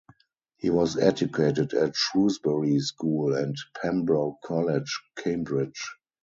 He was educated at Shrewsbury School and Pembroke College, Cambridge.